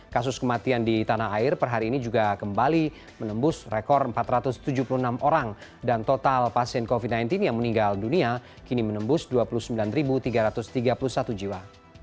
kasus kematian di tanah air per hari ini juga kembali menembus rekor empat ratus tujuh puluh enam orang dan total pasien covid sembilan belas yang meninggal dunia kini menembus dua puluh sembilan tiga ratus tiga puluh satu jiwa